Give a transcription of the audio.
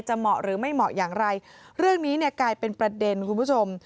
เหมาะหรือไม่เหมาะอย่างไรเรื่องนี้เนี่ยกลายเป็นประเด็นคุณผู้ชม